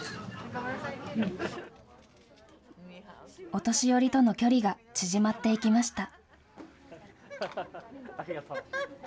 お年寄りとの距離が縮まっていきました。